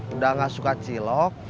udah gak suka cilok